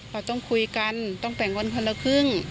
เราต้องคุยกันต้องแต่งวันคนละครึ่ง